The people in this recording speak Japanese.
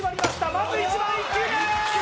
まず１番１球目！